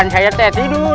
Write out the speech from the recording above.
saya teh tidur